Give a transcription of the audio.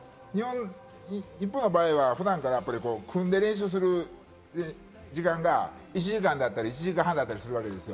日本の場合は普段から組んで練習する時間が１時間だったり、１時間半だったりするわけですよ。